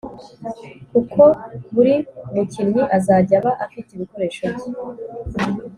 kuko buri mukinnyi azajya aba afite ibikoresho bye.